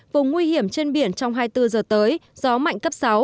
vùng nguy hiểm trên biển trong hai mươi bốn giờ tới gió mạnh cấp sáu